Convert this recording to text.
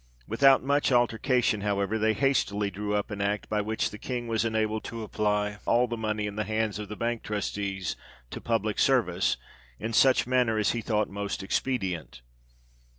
With out much altercation, however, they hastily drew up an act, by which the King was enabled to apply all the money in the hands of the Bank Trustees to public service, in such manner as he thought most expedient.